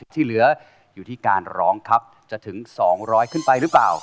ที่เหลืออยู่ที่การร้องครับจะถึง๒๐๐ขึ้นไปหรือเปล่า